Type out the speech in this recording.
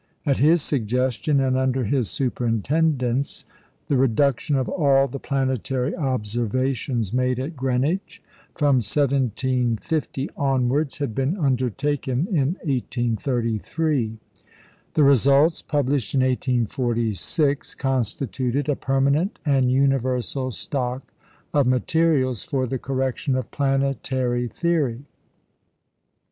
At his suggestion, and under his superintendence, the reduction of all the planetary observations made at Greenwich from 1750 onwards had been undertaken in 1833. The results, published in 1846, constituted a permanent and universal stock of materials for the correction of planetary theory.